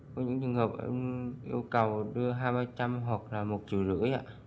có những trường hợp yêu cầu đưa hai trăm linh hoặc là một triệu rưỡi